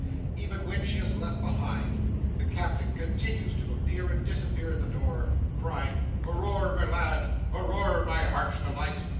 Even when she is left behind, the Captain continues to appear and disappear at the door, crying "Hooroar, my lad! Hooroar, my Heart's Delight!"